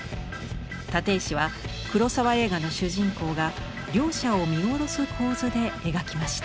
立石は黒澤映画の主人公が両者を見下ろす構図で描きました。